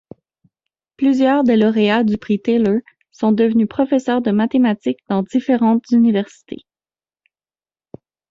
Plusieurs des lauréats du Prix Taylor sont devenus professeurs de mathématiques dans différentes universités.